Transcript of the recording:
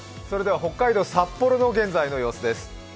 北海道・札幌の現在の様子です。